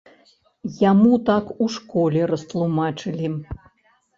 Яму так у школе растлумачылі.